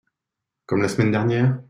Comme la semaine dernière ?…